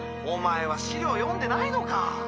おまえは資料読んでないのか！